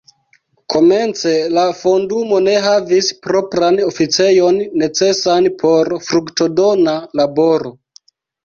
Komence la fondumo ne havis propran oficejon necesan por fruktodona laboro.